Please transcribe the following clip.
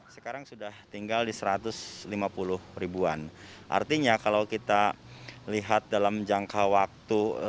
sekarang sudah tinggal di satu ratus lima puluh ribuan artinya kalau kita lihat dalam jangka waktu